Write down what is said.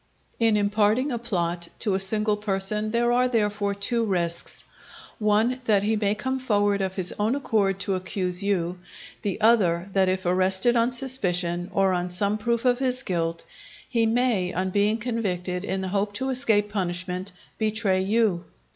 In imparting a plot to a single person there are, therefore, two risks: one, that he may come forward of his own accord to accuse you; the other, that if arrested on suspicion, or on some proof of his guilt, he may, on being convicted, in the hope to escape punishment, betray you.